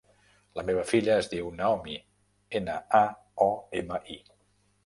La meva filla es diu Naomi: ena, a, o, ema, i.